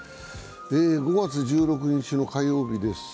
５月１６日の火曜日です。